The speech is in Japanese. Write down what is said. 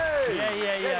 いやいや